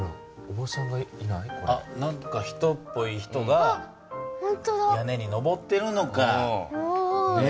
何か人っぽい人が屋根に上っているのかね？